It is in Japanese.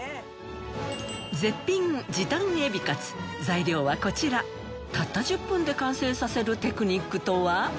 材料はこちらたった１０分で完成させるテクニックとは？